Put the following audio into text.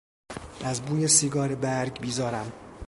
از بوی سیگار برگ بیزارم.